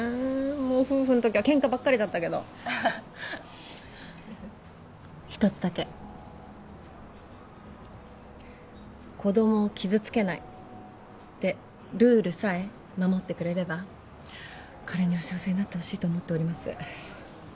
もう夫婦の時はケンカばっかりだったけど一つだけ子供を傷つけないってルールさえ守ってくれれば彼には幸せになってほしいと思っております